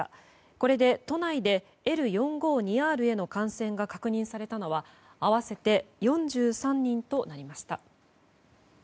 これで都内でＬ４５２Ｒへの感染が確認されたのは合わせて４３人となりました。